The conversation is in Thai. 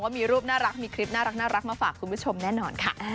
มีรูปน่ารักมีคลิปน่ารักมาฝากคุณผู้ชมแน่นอนค่ะ